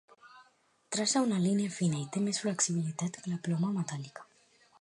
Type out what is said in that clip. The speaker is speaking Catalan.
Traça una línia fina, i té més flexibilitat que la ploma metàl·lica.